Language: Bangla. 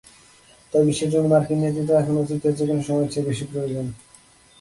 তাই বিশ্বের জন্য মার্কিন নেতৃত্ব এখন অতীতের যেকোনো সময়ের চেয়ে বেশি প্রয়োজন।